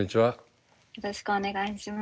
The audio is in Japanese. よろしくお願いします。